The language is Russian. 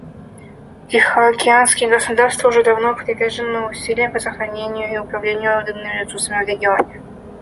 Тихоокеанские государства уже давно привержены усилиям по сохранению и управлению рыбными ресурсами в регионе.